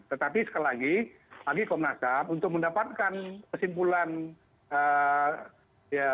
tetapi sekali lagi komnas ham untuk mendapatkan kesimpulan ya